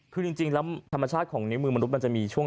คือจริงแล้วธรรมชาติของนิ้วมือมนุษย์มันจะมีช่วง